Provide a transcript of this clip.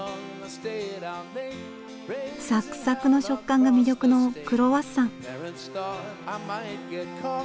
サクサクの食感が魅力のクロワッサン。